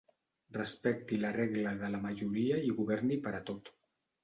Respecti la regla de la majoria i governi per a tot.